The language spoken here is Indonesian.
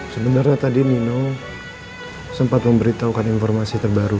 sebenernya tadi nino sempat memberitahukan informasi terbaru ma